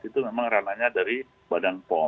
itu memang ranahnya dari badan pom